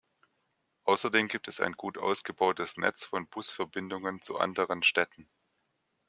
Außerdem gibt es ein gut ausgebautes Netz von Busverbindungen zu anderen Städten.